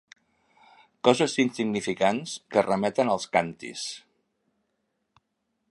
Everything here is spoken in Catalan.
Coses insignificants que remeten als càntirs.